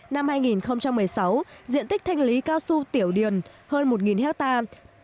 năm hai nghìn một mươi sáu diện tích thanh lý cao su tiểu điền hơn một hectare